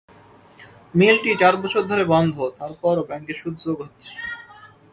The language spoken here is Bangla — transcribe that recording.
মিলটি চার বছর ধরে বন্ধ, তার পরও ব্যাংকের সুদ যোগ হচ্ছে।